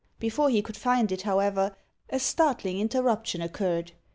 Before he could find it, however, a startling interruption occurred.